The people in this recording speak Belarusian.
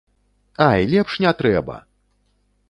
Ай, лепш не трэба!